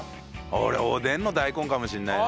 俺おでんの大根かもしれないね。